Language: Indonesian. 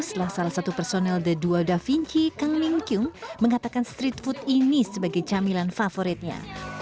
setelah salah satu personel the dua da vinci kang min kyung mengatakan street food ini sebagai camilan favoritnya